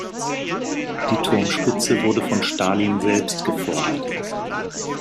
Die Turmspitze wurde von Stalin selbst gefordert.